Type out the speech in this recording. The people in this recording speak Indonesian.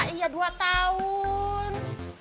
iya dua tahun